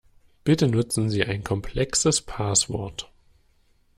Bitte nutzen Sie ein komplexes Passwort.